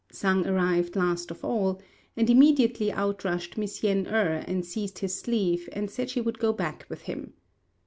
Sang arrived last of all; and immediately out rushed Miss Yen êrh and seized his sleeve, and said she would go back with him.